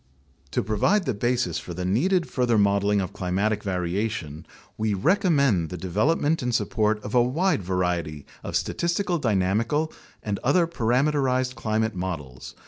To provide the basis for the needed further modeling of climatic variation, we recommend the development and support of a wide variety of statistical dynamical and other parameterized climate models.